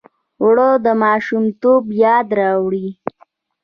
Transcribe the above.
اوړه د ماشومتوب یاد راوړي